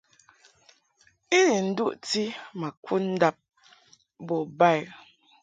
I ni nduʼti ma kud ndab bo ba i.